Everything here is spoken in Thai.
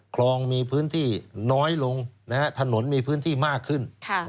คลองมีพื้นที่น้อยลงถนนมีพื้นที่มากขึ้น